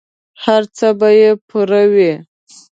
هر څه به یې پوره وي.